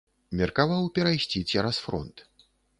Меркаваў перайсці цераз фронт.